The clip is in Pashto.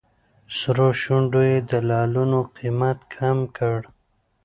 سرو شونډو یې د لعلونو قیمت کم کړ.